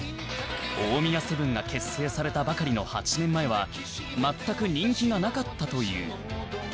大宮セブンが結成されたばかりの８年前は全く人気がなかったという